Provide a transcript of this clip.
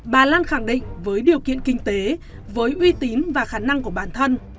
bà lan khẳng định với điều kiện kinh tế với uy tín và khả năng của bản thân